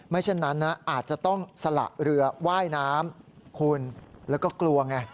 เช่นนั้นนะอาจจะต้องสละเรือว่ายน้ำคุณแล้วก็กลัวไง